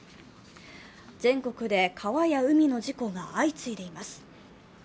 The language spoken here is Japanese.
全国で川や海の事故が相次いでいます。